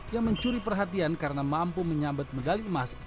yang mencuri perhatian karena mampu menyambat medali emas